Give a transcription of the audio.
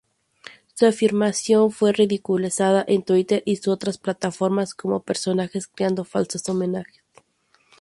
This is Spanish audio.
Su afirmación fue ridiculizada en Twitter y otras plataformas con personas creando falsos homenajes.